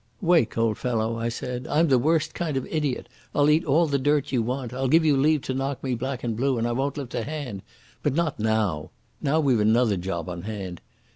"Wake, old fellow," I said, "I'm the worst kind of idiot. I'll eat all the dirt you want. I'll give you leave to knock me black and blue, and I won't lift a hand. But not now. Now we've another job on hand.